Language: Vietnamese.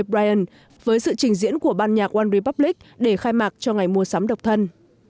bryant với sự trình diễn của ban nhạc onerepublic để khai mạc cho ngày mua sắm độc thân